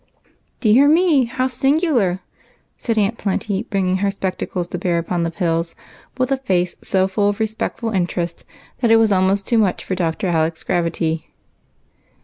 " Dear me, how singular !" said Aunt Plenty, bring ing her spectacles to bear upon the pills, with a face 46 EIGHT COUSINS. so full of respectful interest that it was almost too much for Dr. Alec's gravity.